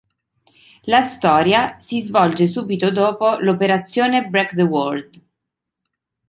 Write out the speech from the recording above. La storia si svolge subito dopo l'Operazione "Break the World".